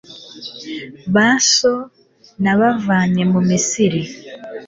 ba so nabavanye mu misiri